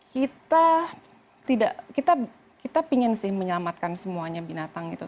kita tidak kita pingin sih menyelamatkan semuanya binatang gitu